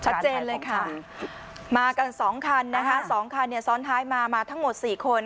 ชัดเจนเลยค่ะมากัน๒คันนะคะ๒คันซ้อนท้ายมามาทั้งหมด๔คน